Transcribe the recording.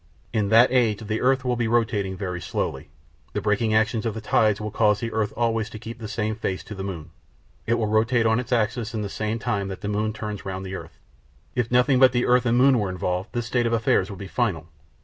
In that age the earth will be rotating very slowly. The braking action of the tides will cause the earth always to keep the same face to the moon; it will rotate on its axis in the same time that the moon turns round the earth. If nothing but the earth and moon were involved this state of affairs would be final.